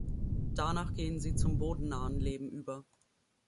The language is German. Danach gehen sie zum bodennahen Leben über.